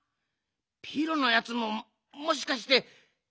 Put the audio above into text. ピロのやつももしかして。